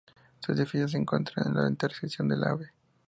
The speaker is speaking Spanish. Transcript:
Su edificio se encontraba en la intersección de la Av.